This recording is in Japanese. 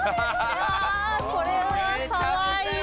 うわー、これはかわいい。